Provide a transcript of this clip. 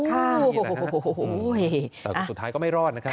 แต่สุดท้ายก็ไม่รอดนะครับ